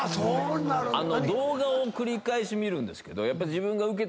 動画を繰り返し見るんですけどやっぱ。